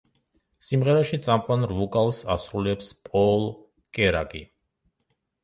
სიმღერაში წამყვან ვოკალს ასრულებს პოლ კერაკი.